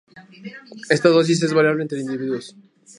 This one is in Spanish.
Esta dosis es variable entre individuos.